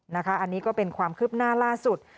อันนี้ก็เป็นความคืบหน้าล่าสุด